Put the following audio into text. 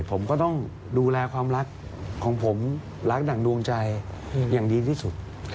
ผมก็ต้องดูแลความรักของผมรักดั่งดวงใจอย่างดีที่สุด